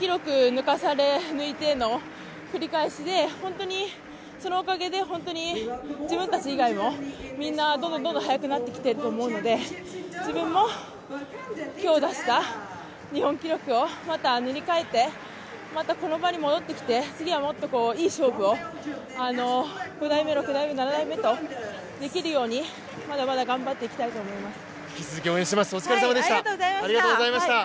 抜かされ抜いての繰り返しでそのおかげで自分たち以外もみんなどんどん速くなってきていると思うので、自分も今日出した日本記録をまた塗り替えて、またこの場に戻ってきて、次はもっといい勝負疑いを５台目、６台目、７台目とできるようにまだまだ頑張っていきたいと思います。